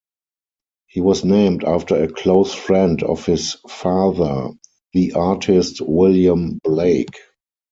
He was named after a close friend of his father, the artist William Blake.